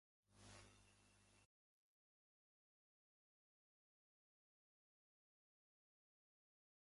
これははじめは、とても、まずくて食べにくかったのですが、そのうちに、どうにか我慢できました。